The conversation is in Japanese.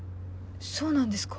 そうなんですか。